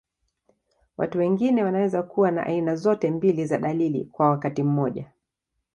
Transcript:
Watu wengine wanaweza kuwa na aina zote mbili za dalili kwa wakati mmoja.